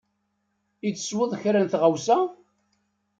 I tesweḍ kra n tɣawsa?